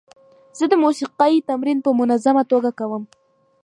زه د موسیقۍ تمرین په منظمه توګه کوم.